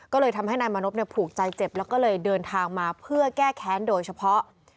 ก็เลยทำให้นายมานพผูกใจเจ็บแล้วก็เลยเดินทางมาเพื่อแก้แค้นโดยเฉพาะ